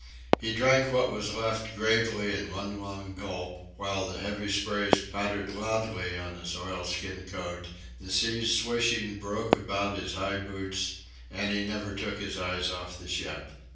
He drank what was left gravely in one long gulp, while heavy sprays pattered loudly on his oilskin coat, the seas swishing broke about his high boots; and he never took his eyes off the ship.